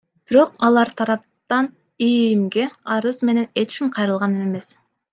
Бирок алар тараптан ИИМге арыз менен эч ким кайрылган эмес.